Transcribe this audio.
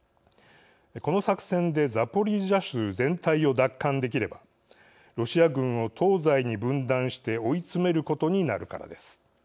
この作戦でザポリージャ州全体を奪還できればロシア軍を東西に分断して追い詰めることになるからです。